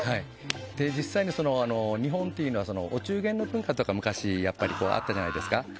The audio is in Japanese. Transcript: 実際に、日本というのはお中元の文化とか昔あったじゃないですか。